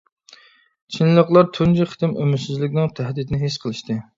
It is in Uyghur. چىنلىقلار تۇنجى قېتىم ئۈمىدسىزلىكنىڭ تەھدىتىنى ھېس قىلىشتى.